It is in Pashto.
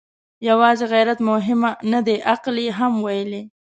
يواځې غيرت مهمه نه ده، عقل يې هم ويلی.